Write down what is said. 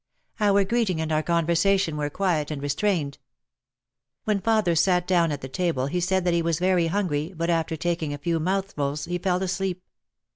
Our greeting and our conversation were quiet and re strained. When father sat down at the table he said that he was very hungry but after taking a few mouthfuls he fell asleep.